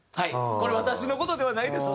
「これ私の事ではないです」と。